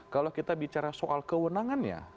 kalau kita bicara soal kewenangannya